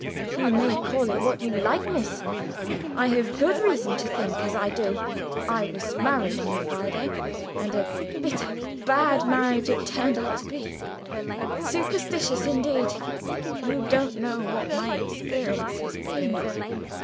"You may call it what you like, miss. I have good reason to think as I do. I was married on a Friday and a bitter bad marriage it turned out to be. Superstitious, indeed! You don't know what my experience has been.